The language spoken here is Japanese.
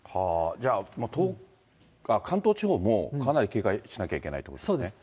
じゃあ、関東地方もかなり警戒しなきゃいけないということですね。